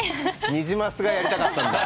ニジマスがやりたかったんだ。